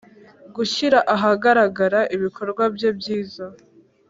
gushyira ahagaragara ibikorwa bye byiza.